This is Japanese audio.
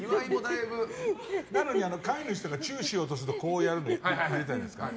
なのに、飼い主とかがチューしようとするとやつあるじゃないですか。